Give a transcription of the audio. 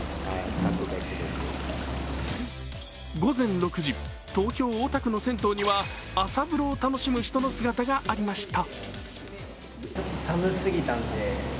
午前６時、東京・大田区の銭湯には、朝風呂を楽しむ人の姿がありました。